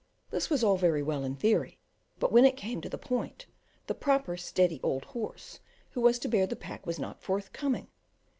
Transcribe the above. This was all very well in theory, but when it came to the point, the proper steady old horse who was to bear the pack was not forthcoming!